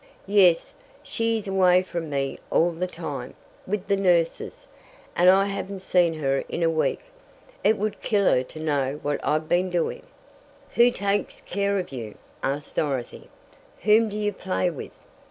"Yes, she is away from me all the time with the nurses, and I haven't seen her in a week. It would kill her to know what I've been doing." "Who takes care of you?" asked Dorothy. "Whom do you play with?"